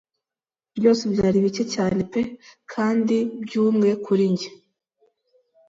Byose byari bike cyane pe kandi byumwe kuri njye